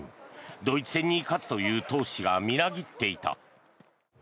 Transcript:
ドイツ戦に勝つという闘志がみなぎっていた。